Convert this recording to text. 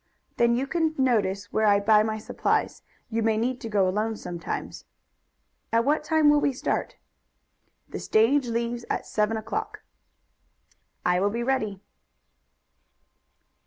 "Then you can notice where I buy my supplies. You may need to go alone sometimes." "At what time will we start?" "The stage leaves at seven o'clock." "I will be ready."